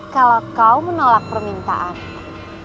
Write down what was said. kalau kau menolak permintaanmu